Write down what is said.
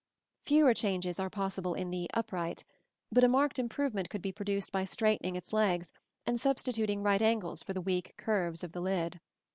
Fewer changes are possible in the "upright"; but a marked improvement could be produced by straightening its legs and substituting right angles for the weak curves of the lid.